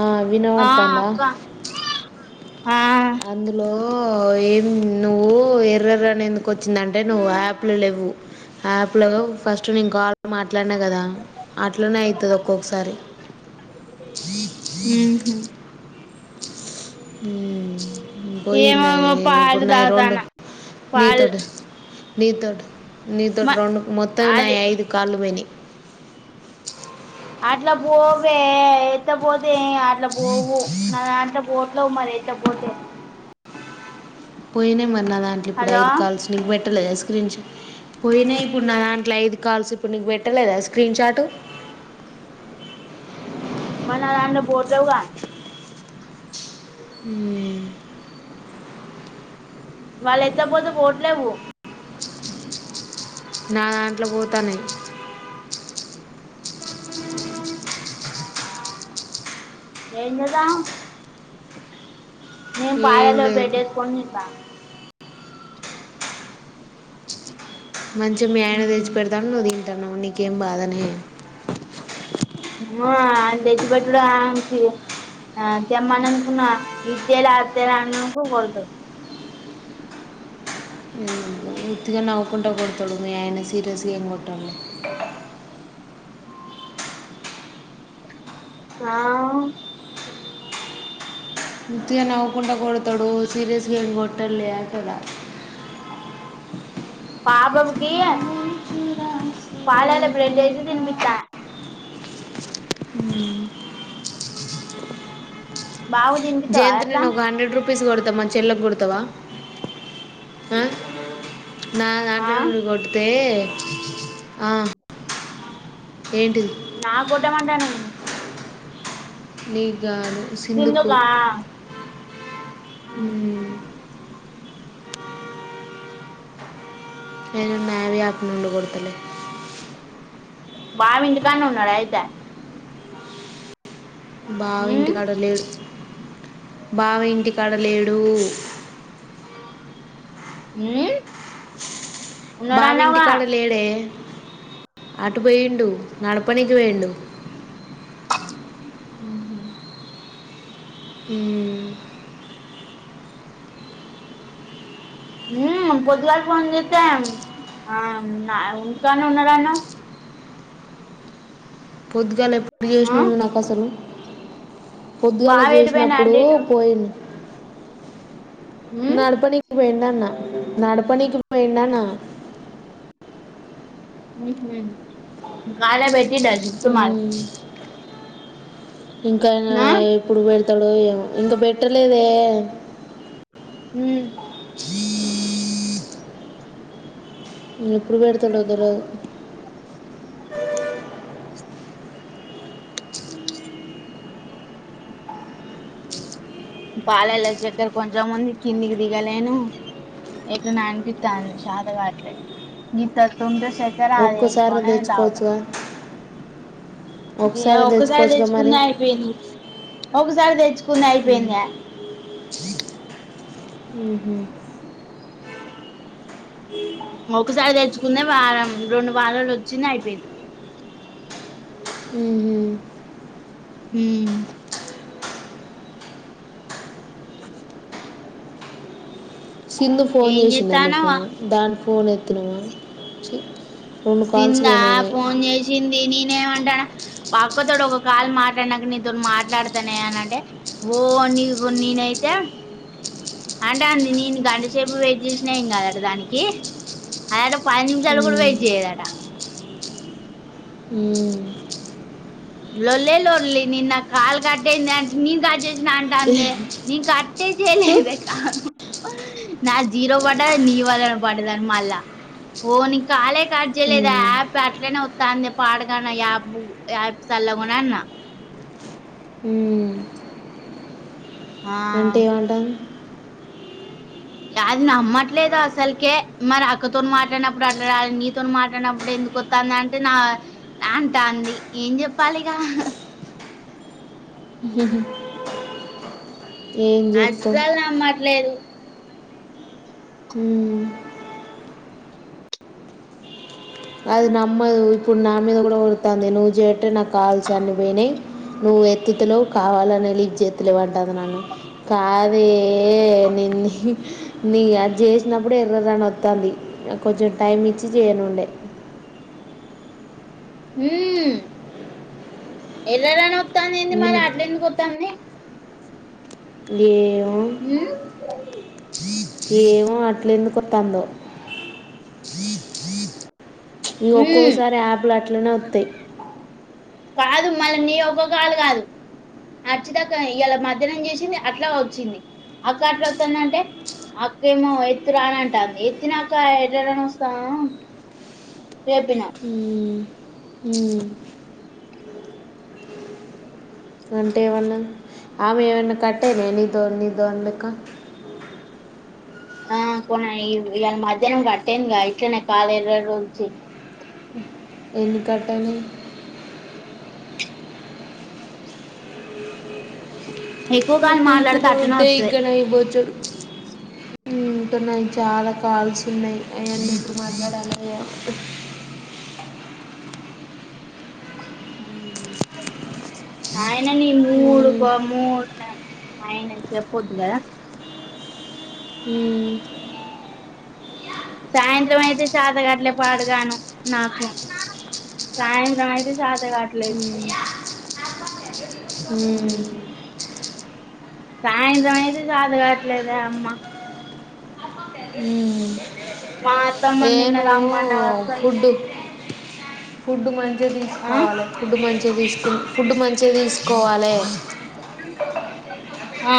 ఆ ఆ వినపడ్తంద అక్క ఆ అందులో ఓ ఏం నువు ఎర్రర్ అని ఎందుకు వచ్చిందంటే నువు అప్ లో లేవు అప్ లో ఫస్ట్ నేను కాల్ మాట్లాడినా కదా అట్లనే అయితది ఒక్కొక్కసారి ఉహు హ ఏమంగ పాలు తాగుతన్న పాలు నీతోటి నీతోటి నీతో మ రెండు మొత్తం నా అది ఐదు కాళ్ళు పోయినాయి అట్లా పోవే ఎత్త పోతే అట్లా పోవు నా దాంట్లో బోట్లో మరి పోతే పోయినాయి మరి నా దాంట్లో ఇప్పుడు హలో ఐదు కాల్స్ నిక్ ట్టలేదా స్క్రీన్ాట్ పోయినాయి ఇప్పుడు నా దాంట్లో ఐదు కాల్స్ ఇప్పుడు నీకు పెట్టలేదా స్క్రీన్ షాట్ మరి నా దాంట్లో బోట్వుగా అ వాళ్ళు ఏతక పోట్లేవు నా దాంట్లో పోతనాయీ ఏం చేద్దం నేను ఏం పాలలో లేదు బ్రెడ్డుస్కొని తింటానా మంచి మీ ఆయన తెచ్చి పెడతాడు ను్వు తింటానువు నీకేం బాధనే ఆ అ తెచ్చిబేతుడు తెమ్మనకున్నా ఇ తేల అ తేల అన్నకు కొడతాడు వత్తిగా నవ్వుకుంటూ కొడతాడు మీ ఆయన సీరియస్గా ఏం కొట్టాడు ఆ ముతగా నవ్వుకుంట కొడతాడు సీరియస్గా ఏం కోటర్లే అంటూనా పా బాబుకి పాలాల బ్రెడ్ ఏసి తినిపి స్తనా బాబు కి తినిపిస్తావా అట్లా ప్లీజ్ కొడతా మా చెల్లెకు కొడతావా ఆ నా ఆ దాంట్లో నుండి కొడితే ఆ ఏంటిది నా గోడ్డం మంటావేంది నీ గాదు సింధుకు మ్మ్ హు ఉమ్, నేను మారి యాప్ నుండి కొడత్ బావ ఇంటికానే ఉన్నాడా అయితే బావ మ్మ్ ఇంటికాడ లేడు బావ ఇంటికాడ లేడు మ్మ్ బావి ఉన్నాడన్నావుగా ఇంటికాడ లేడే అటు పోయిండు నడపనీకి పోయిండు మ్మ్ హు మ్మ్ మ్మ్ పొద్దుగాల ఫోన్ చేస్తే ఆ ఇంటికాడనే ఉన్నాడు అన్నావ్ పొద్దుగాల ఎప్ ఎప్పుడు ఆ చేస్నావు నాక్ అసలు పొద్దుగాల బావ ఎటు పోయిండు చేస్నాప్పుడు అంటే ఇటు పోయి మ్మ్ నడపనికి పోయిండు అన్న నడపనీకి పోయిండన్నా మ్మ్ హు మ్మ్ ఇంకానా ఆ ఎప్పుడు పెడ్ తాడో ఏమో ఇంకా బేట్టలేదే మ్మ్ ఈ ఎప్పుడు పెడతాడో తెలవదు చిక్ పాలల చేక్కెర కొంచెం ముంది కిందికి దిగలేను ఎట్లనో అనిపితంది చత కాగాట్లేదు నీత్ర అత్ ఒక్కసారి తెచ్చుకోవచ్చుగా ఇగా ఒకసారి ఒక్కసారి తెచ్చుకోవచ్చుగా మరి తెచ్చుకున్నా అయిపోయింది ఒకసారి తెచ్చు కిక్ క్లిక్ మ్మ్ హు మొక్కసారి తెచ్చుకుందే వారం రెండు వారాలు ఓచ్చింది అయిపోయింది మ్మ్ హు మ్మ్ సింధు ఫోన్ ఏం చేసిందడి నీకు చేత్తానవ్ దాని ఫోన్ అయి ఉమ్ చి సిందా ఫోన్ చేసింది నేనేమంటానా పక్కతోోడు ఒక కాలు మాట్లాడినాక మాట్లాడుతానే అనింటే ఓ నీకు నేనైతే అంటే అ నేను గంటసేపు వెయిట్ చేసినా ఏం కాదట దానికి అది అయితే పది నిమిషాలు కూడా ఉమ్, వెయిట్ చెయ్యలే ఉమ్, లొల్లి లొల్లి నిన్న కాలు కట్టేసినట్టే చేసిన అంట అందే నీకు అట్టే చేయలేదే కాను నా జీరో పడ్డా నీ వళ పడదాని మళ్ళా ఓ నీ కాలే కట్ చేయలేదు ఉమ్, యాప్ అట్లనే వస్తాంది పాడగాను యాప్ యాప్ చల్లాగున్నా అన్నా ఉమ్. ఆ అంటే ఏమంటంది అది నమ్మట్లేదు అసలకే మరి అక్కతోన మాట్లాడినప్పుడు అట్లా రాాలి నీతోన మాట్లాడినప్పుడు ఎందుకు వస్తుంది అంటే నా నా అంట అంది ఏం చెప్పాలి ఇగా ఏం చెప్తాం అస్సలు నమ్మట్లేదు ఉమ్ అది నమ్మ ఇప్పుడు నా మీద కూడా వడుతుంది నువ్వు చేయటే నాకు కావాల్సి అన్ని పోయినాయి నువ్వు ఎత్తుతులోవు కావాలనే లీఫ్ చేతులేవంటుంది నన్ను కాదే నేన్న నీ అది చేసినప్పుడు ఎర్రని వస్తుంది నా కొంచెం టైం ఇచ్చి చేయనుండే ఉమ్ ఎర్రదను వద్దంది ఏంది మరి నేను అట్లా ఎందుకు వత్తాంది లే ఉమ్ ఏమో అట్లేందుకు అత్తందో ఈ ఉమ్ ఒక్కోసారి యాప్ లో అట్లనే థైయి కాదు మళ్ళీ నీ ఒక్కొ కాళ కాదు నచ్చితక్క ఇలా మధ్యాహ్నం చేసింది అట్లా వచ్చింది అక్క అట్లా అతుందింటే అక్క ఏమో ఎత్తురాని అంటాంది ఎత్తిన అక్క ఎట్లాని వస్తాము లేపిన ఉహూమ్ హు అంటే ఏమన్నా ఆమె ఏమన్నా కట్టాదా నీది నీది ఆ కొన ఇవాళ మధ్యాహ్నం కట్టేందిగా ఇట్లానే కాాల ఇరవై రోజు నుంచి ఎందుకు కట్ అయింది ఎక్కువ కాలు బట్ మాట్లాడితే అట్లనే ఇంతరడేై వత్తది గనయిబోతు ఉమ్ ఇంకా నాయిచాలా కాల్స్ ఉన్నాయి అయన్ని ఇట్ల మాట్లాడాలో ఏమో ఉమ్ ఆయన నీ మూడు ఉమ్, కో మూడు ఆయనకు చెప్పద్దు కదా ఉమ్ సాయంత్రం అయితే చతగట్లే పాడుగాను నాకు సాయంత్రం అయితే చత ఉమ్ హుమ్ ఉమ్. సాయంత్రం అయితే చాత కావట్లేదే అమ్మ. ఉమ్ మా అత్తమ్మ ఏ నిన్న నువ్వు రమ్మనవ్ అసల ఫుడ్ ఫుడ్ మం చిగా తీసుకోవాలి ఫుడ్ మంచిగా తీసుక్ ఫుడ్ మంచిగా తీసుకోవాలె ఆ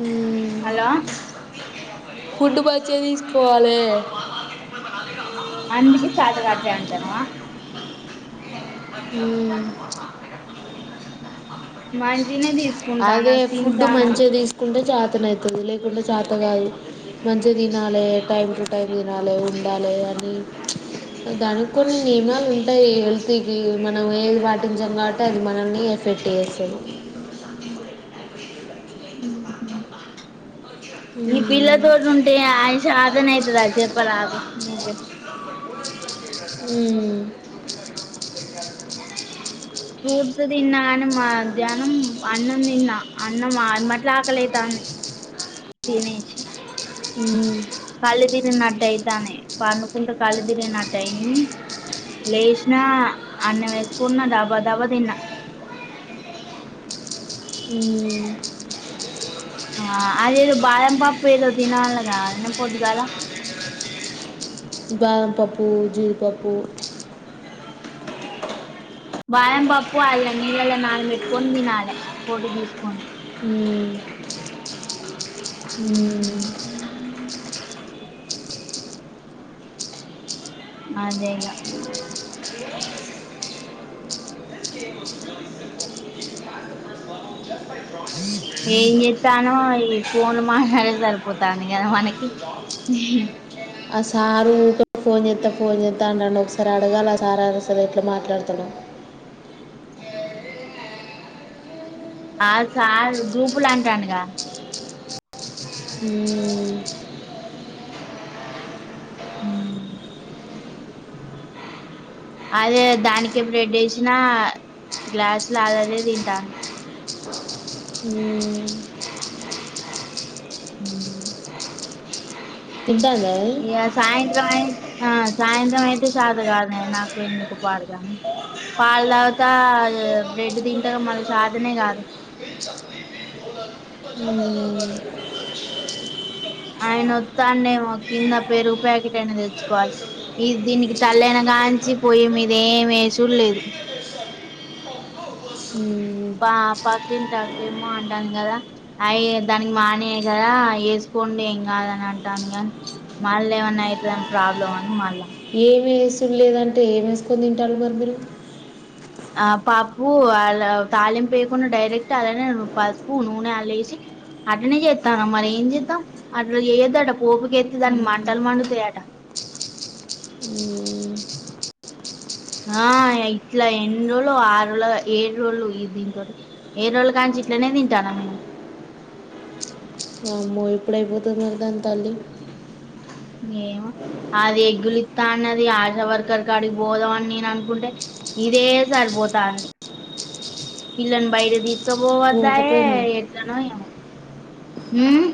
ఉమ్ హలో ఫుడ్ మంచి గా తీసుకో పోవాలె అందుకే చేత కావట్లే అంటానువా. ఉమ్ మాన్ అదే ఫుడ్ మంచిగా తీసుకుంటే చ తనైతది లేకుంటే చేత గాదు మంచిగా తినాలే టైం టు టైం తినాలె ఉండాలే దానికి కూడా నియమాలు ఉంటాయి హెల్త్ కి మనం ఏది పాటించం కాబట్టి అది మనల్ని ఎఫెక్ట్ చేస్తది. ఉహుమ్ ఈ పిల్ల మ్మ్. తోటి ఉంటే అయి చాతనైద చెప్పరాదు నువ్వే ఉమ్ ఫ్రూట్స్ తిన్నా కాని మధ్యాహ్నం అన్నం తిన్నా అన్నం ఏమట్లా ఆకలి అయితాంది తినేష ఉమ్ తిరిగినట్టు అయితానై పండుకుంటే కళ్ళు తిరిగినటుఅయింది లేష్ణ అన్నం వేసుకున్న డబ్బా దబ్బా తిన్నా మ్మ్. ఆ అదేదో బాదం పాప్పు ఏదో తినాలగాదె పొద్దుగాల బాదంపప్పు జీడిపప్పు బాదంపప్పు అల్లం నీళ్లల నానబెట్టుకుని తినాలి పొట్టు తీసుకొని ఉమ్ ఉమ్ అదేగా ఏం చేతనవ్ ఈ ఫోన్లు మాట్లాడమే సరిపోతంది కదా మనకి ఆ సారూ ఓకే ఫోన్ చేస్తా చేస్తా అంటాండు ఒకసారి అడగాలె ఆ సారు ఎట్లా మాట్లాడుతడొ ఆ సార్ గ్రూపు లా అంటాండుగా ఉమ్ ఉమ్ అదే దానికి బ్రెడ్ వేసినా గ్లాసుల అదే అదే తింటాంది ఉమ్ ఉమ్ తింటాందా అది? ఇగ సాయంత్రం అయ్యింది సాయంత్రం అయితే షత కాద నాకు ఎందుకు పాడగని పాల తాగుతా బ్రెడ్ తింట మళీ షతనే కాదు అవు ఆయన వస్తాండేమో కింద పెరుగు ప్యాకెట్ అయినా తెచ్చుకోవాలి ఈ దీనికి తల్లయినా గాంచి పోయి మీద ఏమి వేచుడులేదు మ్మ్. పా పక్కి క్ ఏమో అంటాంది కదా అయ దానికి మానేయ కదా వేసుకోండి ఏం కాదని అంటాంది కాగానీ మళ్ళ ఏమన్నా అవుతుంద ప్రాబ్లం అని మళ్ళా ఏం వేసు లేదంటే ఏం వేసుకొని తింటారు మరి మీరు ఆ పప్పు అలా తాళిం వేయకుండా డైరెక్ట్ అలానేే పప్పు నూనె అళ్ళ వేసి అటనే చేస్తాను మరి ఏం చేస్తాం అట్లా చేయొద్దు అంట పోపుకు ఎస్తే దానికి మంటలు మండుతాయట మ్మ్. ఆ ఇట్లా ఎన్ని రోజులు ఆరోజు ఏడు రోజులు దీని తోటి ఏడు రోజులు కా నుంచి ఇట్లనే తింటానా మేము అమ్మో ఇప్పుడయిపోతుంది మకు దాని తల్లి [unintelligible] ఏమో అది ఎగ్గులిస్తా [unintelligible] అని అది ఆశా వర్కర్కి అడిగి పోదాం అని నేను అనుకుంటే ఇదే సరిపోతా అండి పిల్లని బయట తీసుకు బో వాయ పోకపోయినా [unintelligible] ఎట్లానో ఏమో హమ్